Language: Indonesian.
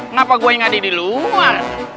ngapa gue yang ada di luar